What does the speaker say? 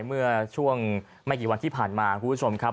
เมื่อช่วงไม่กี่วันที่ผ่านมาคุณผู้ชมครับ